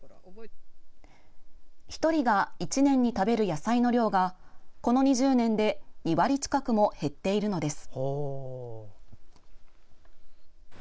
１人が１年に食べる野菜の量がこの２０年で２割近くも減っているのです。